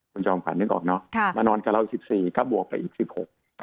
คุณจองฝันนึกออกเนอะมานอนกับเรา๑๔ก็บวกไปอีก๑๖